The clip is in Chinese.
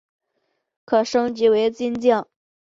可升级成为金将。